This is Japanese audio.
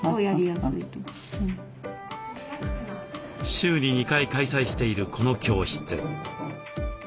週に２回開催しているこの教室。